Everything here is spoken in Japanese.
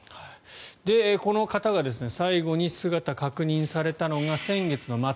この方が最後に姿が確認されたのが先月末。